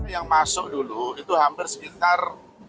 yang masuk dulu itu hampir sekitar tiga ratus sembilan puluh tujuh